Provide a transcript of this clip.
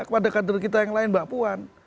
kepada kader kita yang lain mbak puan